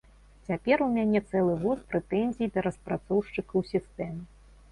Цяпер у мяне цэлы воз прэтэнзій да распрацоўшчыкаў сістэмы.